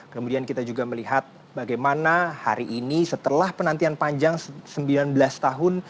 kemudian kita juga melihat bagaimana hari ini setelah penantian panjang sembilan belas tahun